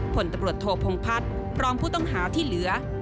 ผลตำรวจโทพงพัฒน์พร้อมผู้ต้องหาที่เหลือ